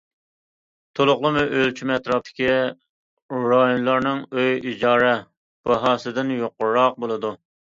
تولۇقلىما ئۆلچىمى ئەتراپتىكى رايونلارنىڭ ئۆي ئىجارە باھاسىدىن يۇقىرىراق بولىدۇ.